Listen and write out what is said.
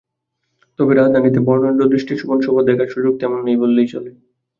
তবে রাজধানীতে বর্ণাঢ্য দৃষ্টিনন্দন শোভা দেখার সুযোগ তেমন নেই বললেই চলে।